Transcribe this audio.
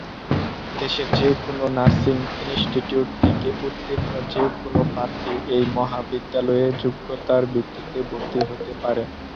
দেশের যে-কোন nursing institute থেকে উত্তীর্ণ যে-কোন প্রার্থী এই মহাবিদ্যালয়ে যোগ্যতার ভিত্তিতে ভর্তি হতে পারে।